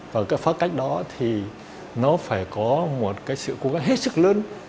và cái phá cách đó thì nó phải có một cái sự cố gắng hết sức lớn